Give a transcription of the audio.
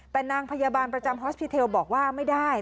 แต่นางพยาบาลประจำฮอสพิเทลบอกว่าไม่ได้